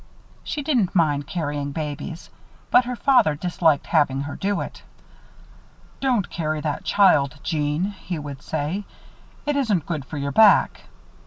She didn't mind carrying babies, but her father disliked having her do it. "Don't carry that child, Jeanne," he would say. "It isn't good for your back.